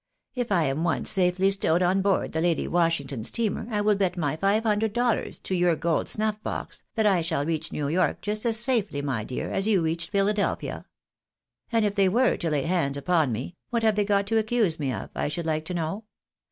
" If I am once safely stowed on board the Lady AVashington steamer I will bet my five hundred dollars to your gold snutfbox that I shall reach New York just as safely, my dear, as you reached Philadelphia. And if they were to lay hands upon me, what have they got to accuse me of, I should like to know